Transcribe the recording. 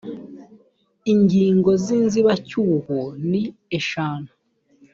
ingingo y’inzibacyuho ni eshanu